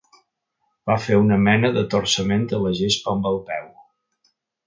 Va fer una mena de torçament a la gespa amb el peu.